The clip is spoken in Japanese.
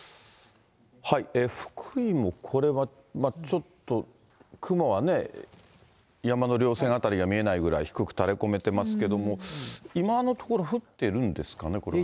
福井もこれは、ちょっと、雲はね、山の稜線辺りが見えないぐらい低く垂れこめていますけれども、今のところ降っているんですかね、これはね。